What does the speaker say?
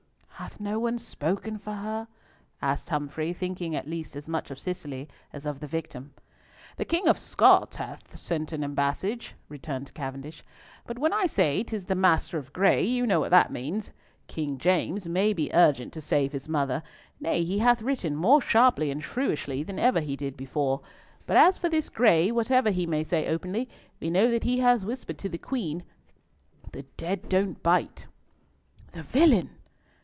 "Hath no one spoken for her?" asked Humfrey, thinking at least as much of Cicely as of the victim. "The King of Scots hath sent an ambassage," returned Cavendish, "but when I say 'tis the Master of Gray, you know what that means. King James may be urgent to save his mother—nay, he hath written more sharply and shrewishly than ever he did before; but as for this Gray, whatever he may say openly, we know that he has whispered to the Queen, 'The dead don't bite.'" "The villain!"